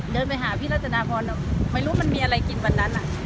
เดินไปหาพี่รัตนาพรไม่รู้มันมีอะไรกินวันนั้น